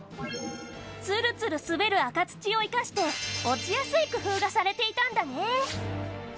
ツルツル滑る赤土を生かして落ちやすい工夫がされていたんだね